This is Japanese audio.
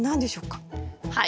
はい。